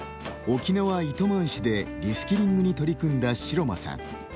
沖縄糸満市で、リスキリングに取り組んだ城間さん。